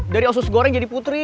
dari asus goreng jadi putri